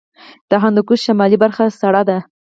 د هندوکش شمالي برخه سړه ده